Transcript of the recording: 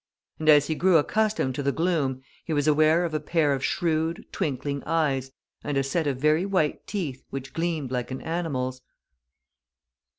And as he grew accustomed to the gloom he was aware of a pair of shrewd, twinkling eyes, and a set of very white teeth which gleamed like an animal's.